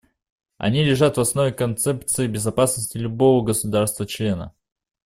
Они лежат в основе концепций безопасности любого государства-члена.